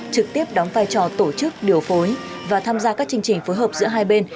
trực tiếp đóng vai trò tổ chức điều phối và tham gia các chương trình phối hợp giữa hai bên